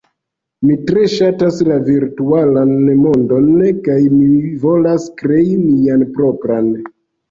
Mi tre ŝatas la virtualan mondon, kaj mi volas krei mian propran.